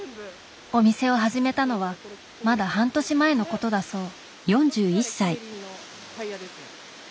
お店を始めたのはまだ半年前のことだそう。